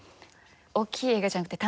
大きい映画じゃなくて。